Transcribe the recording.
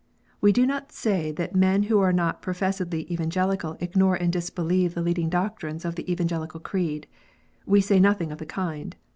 We do not say that men who are not professedly Evangelical ignore and disbelieve the leading doctrines of the Evangelical creed. We say nothing of the kind.